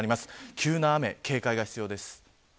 急な雨に警戒が必要です。